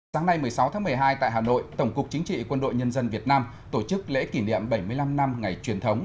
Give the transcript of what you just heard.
sáng nay một mươi sáu tháng một mươi hai tại hà nội tổng cục chính trị quân đội nhân dân việt nam tổ chức lễ kỷ niệm bảy mươi năm năm ngày truyền thống